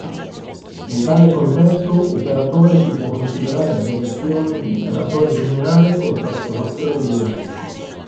In tale contesto "operatore" si può considerare abbreviazione di "operatore lineare" o "trasformazione lineare".